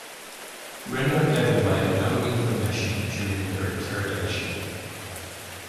Renault gave away no information during her interrogation.